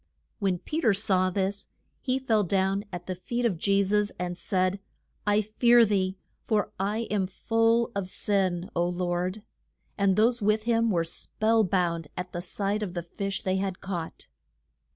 When Pe ter saw this he fell down at the feet of Je sus, and said, I fear thee, for I am full of sin, O Lord. And those with him were spell bound at sight of the fish they had caught.